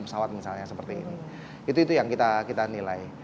misalnya misalnya misalnya seperti ini itu yang kita kita nilai